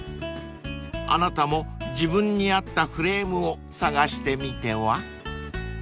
［あなたも自分に合ったフレームを探してみては？］